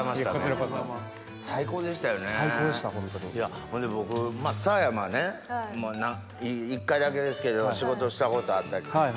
ほんで僕サーヤは一回だけですけど仕事したことあったり。